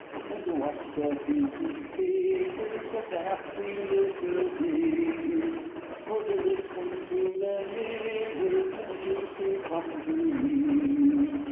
And to watch the busy figgers of the happy little diggers, Or to listen to the niggers, when they choose to come to me!